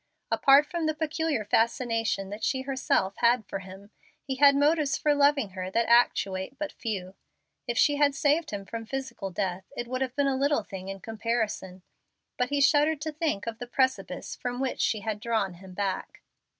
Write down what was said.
Apart from the peculiar fascination that she herself had for him, he had motives for loving her that actuate but few. If she had saved him from physical death it would have been a little thing in comparison, but he shuddered to think of the precipice from which she had drawn him back.